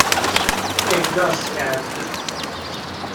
احداث کرد